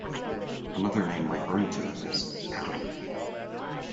Another name referring to him is "Adonim".